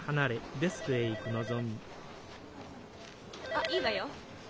☎あっいいわよ。